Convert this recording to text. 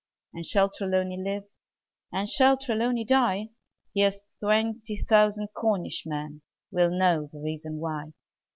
And shall Trelawny live? Or shall Trelawny die? Here's twenty thousand Cornish men Will know the reason why!